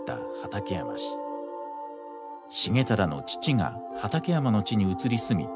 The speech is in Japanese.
重忠の父が畠山の地に移り住み